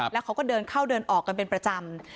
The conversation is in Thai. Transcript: แล้วเขาก็เดินเข้าเดินออกกันเป็นประจำ